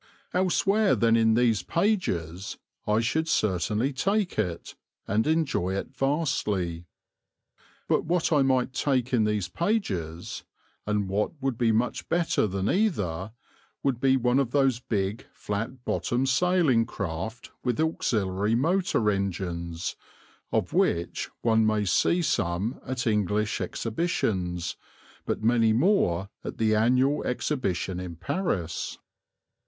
Elsewhere than in these pages I should certainly take it, and enjoy it vastly. But what I might take in these pages, and what would be much better than either, would be one of those big flat bottomed sailing craft with auxiliary motor engines, of which one may see some at English exhibitions, but many more at the annual exhibition in Paris.